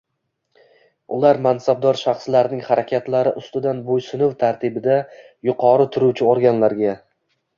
ular mansabdor shaxslarining harakatlari ustidan bo‘ysunuv tartibida yuqori turuvchi organlarga